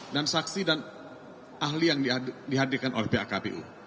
dan saksi dan ahli yang dihadirkan oleh pihak kpu